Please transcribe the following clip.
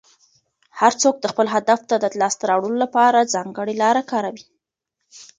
هر څوک د خپل هدف د لاسته راوړلو لپاره ځانګړې لاره کاروي.